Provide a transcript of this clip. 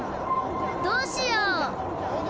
どうしよう！